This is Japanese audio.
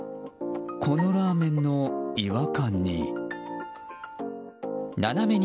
このラーメンの違和感に。